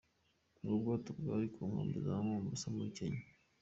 Ubwo bwato bwari ku nkombe z’i Mombasa muri Kenya.